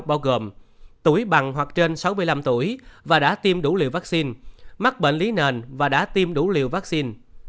bao gồm tuổi bằng hoặc trên sáu mươi năm tuổi và đã tiêm đủ liều vaccine mắc bệnh lý nền và đã tiêm đủ liều vaccine